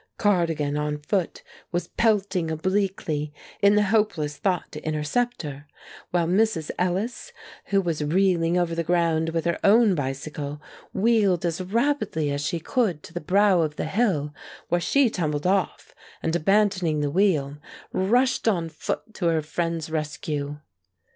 Cardigan, on foot, was pelting obliquely, in the hopeless thought to intercept her, while Mrs. Ellis, who was reeling over the ground with her own bicycle, wheeled as rapidly as she could to the brow of the hill, where she tumbled off, and abandoning the wheel, rushed on foot to her friend's rescue.